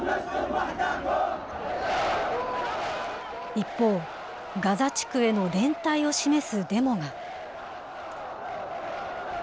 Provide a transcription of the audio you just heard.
一方、ガザ地区への連帯を示すデモが。